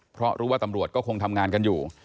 เพราะรู้ว่าตำรวจก็คงทำงานกันอยู่